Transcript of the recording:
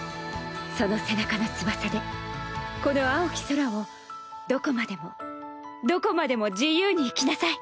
その背中の翼でこの蒼き空をどこまでもどこまでも自由に行きなさい。